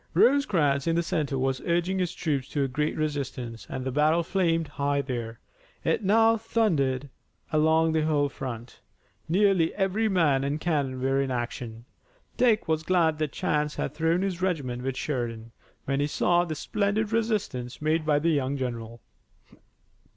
Rosecrans in the center was urging his troops to a great resistance and the battle flamed high there. It now thundered along the whole front. Nearly every man and cannon were in action. Dick was glad that chance had thrown his regiment with Sheridan, when he saw the splendid resistance made by the young general.